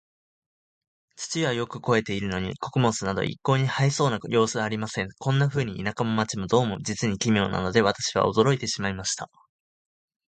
土はよく肥えているのに、穀物など一向に生えそうな様子はありません。こんなふうに、田舎も街も、どうも実に奇妙なので、私は驚いてしまいました。